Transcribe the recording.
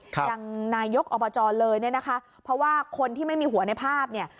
ยังนายกอบจเลยเนี่ยนะคะเพราะว่าคนที่ไม่มีหัวในภาพเนี่ย